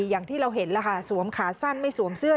อย่างที่เราเห็นแล้วค่ะสวมขาสั้นไม่สวมเสื้อ